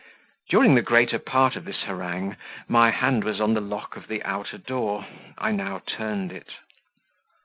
During the greater part of this harangue my hand was on the lock of the outer door; I now turned it.